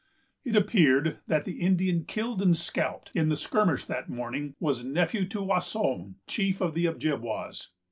It appeared that the Indian killed and scalped, in the skirmish of that morning, was nephew to Wasson, chief of the Ojibwas.